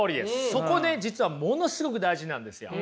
そこね実はものすごく大事なんですよ。